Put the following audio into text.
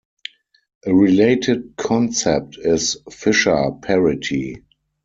A related concept is "Fisher parity".